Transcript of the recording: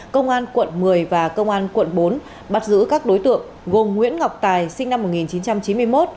công an quận một mươi và công an quận bốn bắt giữ các đối tượng gồm nguyễn ngọc tài sinh năm một nghìn chín trăm chín mươi một